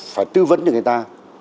phải tư vấn cho người ta